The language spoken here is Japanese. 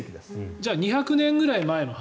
じゃあ２００年ぐらい前の話。